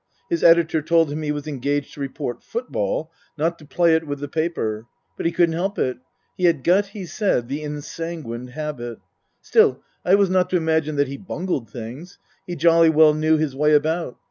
His editor told him he was engaged to report football, not to play it with the paper. But he couldn't help it. He had got, he said, the ensanguined habit. Still, I was not to imagine that he bungled things. He jolly well knew his way about.